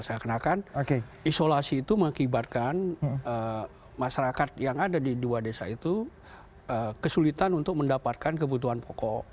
saya kenakan isolasi itu mengakibatkan masyarakat yang ada di dua desa itu kesulitan untuk mendapatkan kebutuhan pokok